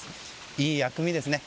いい薬味ですね。